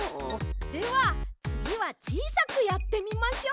ではつぎはちいさくやってみましょう。